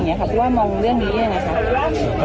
เนี้ยครับเพราะว่ามองเรื่องนี้ยังไงครับ